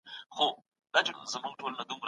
حضوري ټولګي زده کوونکي تمرينونه اصلاح کوي.